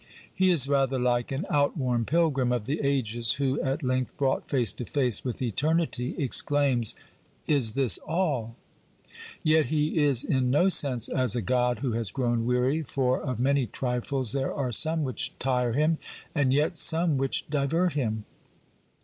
He is rather like an out worn pilgrim of the ages who, at length brought face to face with eternity, exclaims : Is this all ? Yet he is in no sense as a God who has grown weary, for, of many trifles, there are some which tire him and yet some which divert him.